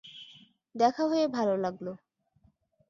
দেখা হয়ে ভাল লাগলো!